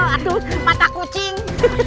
aduh mata kucing